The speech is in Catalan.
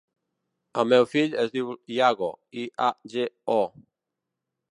El meu fill es diu Iago: i, a, ge, o.